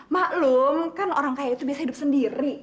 maklum kan orang kaya itu biasa hidup sendiri